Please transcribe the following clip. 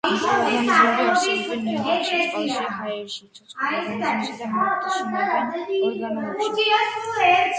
მიკროორგანიზმები არსებობენ ნიადაგში, წყალში, ჰაერში, ცოცხალ ორგანიზმებზე და მათ შინაგან ორგანოებში.